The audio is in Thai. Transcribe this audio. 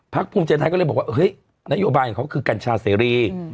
ภูมิใจไทยก็เลยบอกว่าเฮ้ยนโยบายของเขาคือกัญชาเสรี